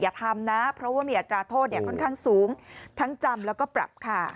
อย่าทำนะเพราะว่ามีอัตราโทษค่อนข้างสูงทั้งจำแล้วก็ปรับค่ะ